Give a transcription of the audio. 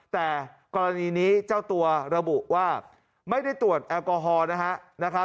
แต่กรณีนี้เจ้าตัวระบุว่าไม่ได้ตรวจแอลกอฮอล์นะครับ